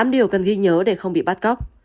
tám điều cần ghi nhớ để không bị bắt cóc